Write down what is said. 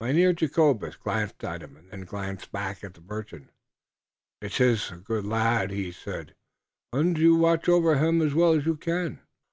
Mynheer Jacobus glanced at him and then glanced back at the merchant. "It iss a good lad," he said, "und you watch over him as well as you can."